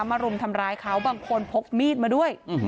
พวกนะคะมารุมทำร้ายเขาบางคนพกมีดมาด้วย